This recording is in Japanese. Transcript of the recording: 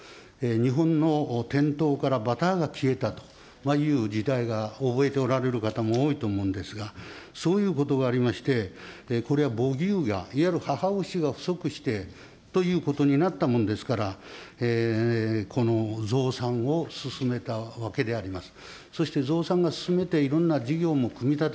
日本の店頭からバターが消えたという事態が、覚えておられる方も多いと思うんですが、そういうことがありまして、これは母牛が、いわゆる母牛が不足してということになったもんですから、この増産を進めたわけであります。